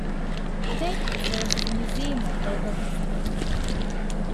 Today, it serves as a museum of local history.